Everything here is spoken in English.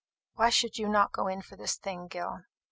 Why should you not go in for this thing, Gil?"